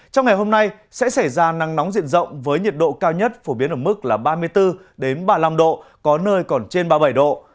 trong ngày hôm nay sẽ xảy ra nắng nóng diện rộng với nhiệt độ cao nhất phổ biến ở mức ba mươi bốn ba mươi năm độ có nơi còn trên ba mươi bảy độ